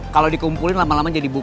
kalau dikumpulin lama lama jadi buka